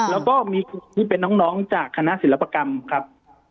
แล้วก็มีนี่เป็นน้องจากคณะศิลปกรรมครับ